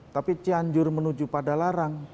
tapi cianjur menuju padalarang